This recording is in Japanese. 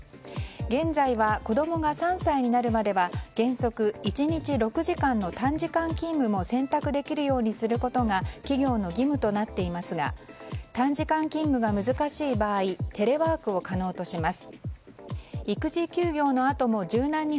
現在は子供が３歳になるまでは原則１日６時間の短時間勤務も選択できるようにすることが企業の義務となっていますが短時間勤務が難しい場合テレワークを可能とします。